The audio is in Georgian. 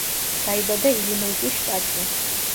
დაიბადა ილინოისის შტატში.